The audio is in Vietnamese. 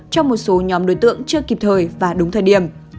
cho một số nhóm đối tượng chưa kịp thời và đúng thời điểm